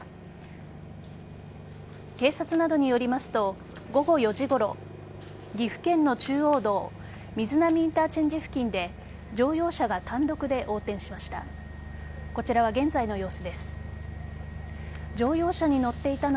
警察などによりますと午後４時ごろ岐阜県の中央道瑞浪インターチェンジ付近で乗用車が単独で横転しました。